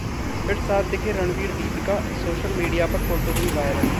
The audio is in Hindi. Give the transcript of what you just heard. फिर साथ दिखे रणवीर-दीपिका, सोशल मीडिया पर फोटो हुई वायरल